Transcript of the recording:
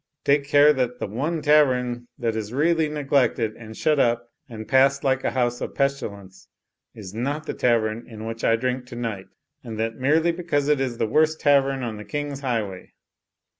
Take care that the one tavern that is really neglected and shut up and passed like a house of pestilence is not the tavern in which I drink to night, and that merely because it is the worst tavern on the King's highway.